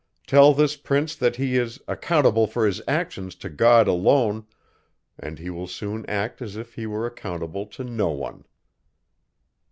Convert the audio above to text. Tell this prince, that he is accountable for his actions to God alone, and he will soon act as if he were accountable to no one.